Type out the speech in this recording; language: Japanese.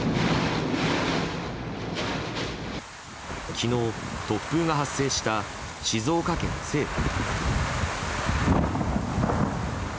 昨日、突風が発生した静岡県西部。